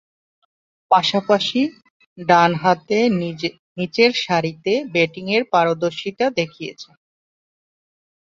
পাশাপাশি ডানহাতে নিচের সারিতে ব্যাটিংয়ে পারদর্শিতা দেখিয়েছেন।